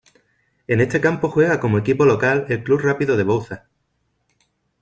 En este campo juega como equipo local el Club Rápido de Bouzas.